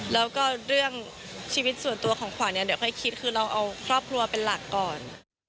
แล้วก็เรื่องชีวิตส่วนตัวของขวัญเนี่ยเดี๋ยวค่อยคิดคือเราเอาครอบครัวเป็นหลักก่อน